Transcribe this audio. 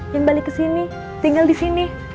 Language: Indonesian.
yang balik kesini tinggal disini